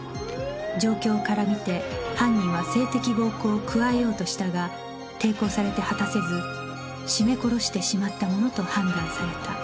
状況から見て犯人は性的暴行を加えようとしたが抵抗されて果たせず絞め殺してしまったものと判断された